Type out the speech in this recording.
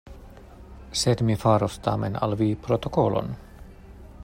Sed mi faros tamen al vi protokolon.